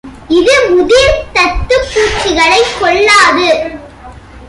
இது முதிர் தத்துப்பூச்சிகளைக் கொல்லாது.